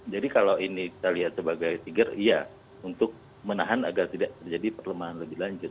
jadi kalau ini kita lihat sebagai tiga ya untuk menahan agar tidak terjadi perlemahan lebih lanjut